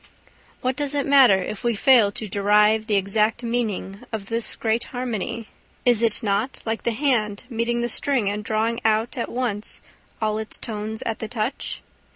What does it matter if we fail to derive the exact meaning of this great harmony? Is it not like the hand meeting the string and drawing out at once all its tones at the touch?